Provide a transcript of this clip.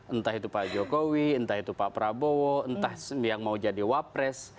entah itu pak jokowi entah itu pak prabowo entah yang mau jadi wapres